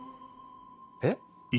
えっ？